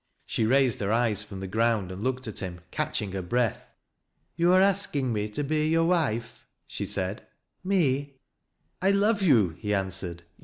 She raised her eyes from the ground and looked at hixn catching her breath. " Yo' are askin' me to be yore wife !" she said. " Me !'" I iove you," he answered.